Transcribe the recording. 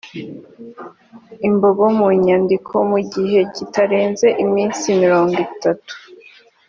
imbago mu nyandiko mu gihe kitarenze iminsi mirongo itatu